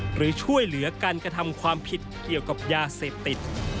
หรือช่วยเหลือการกระทำความผิดเกี่ยวกับยาเสพติด